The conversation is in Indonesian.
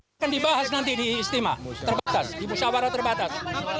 bukan dibahas nanti di istimewa terbatas di pusawara terbatas